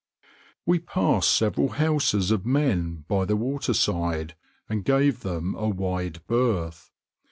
We passed several houses of men by the waterside, and gave them a wide berth.